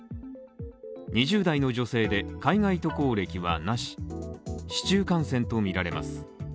２０代の女性で、海外渡航歴はなし市中感染とみられます